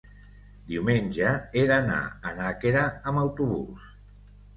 Diumenge he d'anar a Nàquera amb autobús.